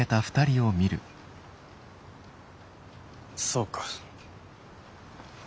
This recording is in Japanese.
そうか。